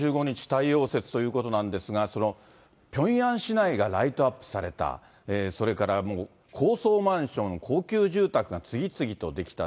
太陽節ということなんですが、そのピョンヤン市内がライトアップされた、それから高層マンション、高級住宅が次々と出来た。